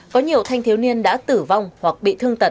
có nhiều thanh thiếu niên đã tử vong hoặc bị thương tật